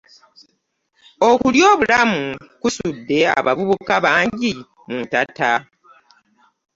Okulya obulamu kusudde abavubuka bangi mu ntata.